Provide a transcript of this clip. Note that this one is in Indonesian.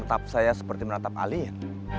menetap saya seperti menetap alih